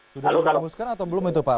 sudah dirumuskan atau belum itu pak